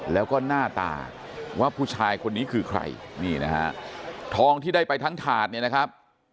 แล้วก็หน้าตาว่าผู้ชายคนนี้คือใครนี่นะฮะทองที่ได้ไปทั้งถาดเนี่ยนะครับ